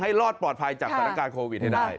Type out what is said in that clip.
ให้รอดปลอดภัยจากตอนอาการโควิดให้ได้